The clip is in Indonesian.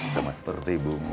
sama seperti ibumu